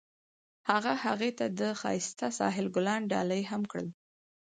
هغه هغې ته د ښایسته ساحل ګلان ډالۍ هم کړل.